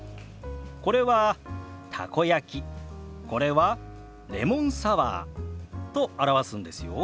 これは「たこ焼き」これは「レモンサワー」と表すんですよ。